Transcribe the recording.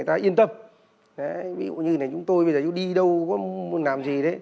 vì vậy chúng tôi đi đâu làm gì